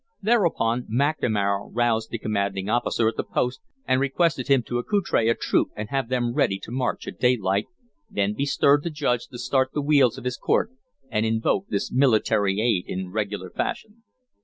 Thereupon McNamara roused the commanding officer at the post and requested him to accoutre a troop and have them ready to march at daylight, then bestirred the Judge to start the wheels of his court and invoke this military aid in regular fashion.